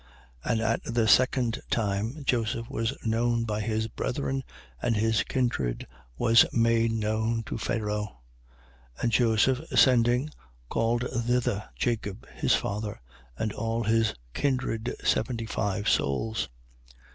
7:13. And at the second time, Joseph was known by his brethren: and his kindred was made known to Pharao. 7:14. And Joseph sending, called thither Jacob, his father, and all his kindred, seventy five souls.